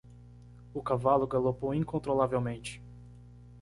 O cavalo galopou incontrolavelmente.